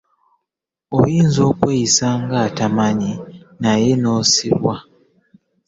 Oyinza okweyisa nga atamanyi naye n'osibwa.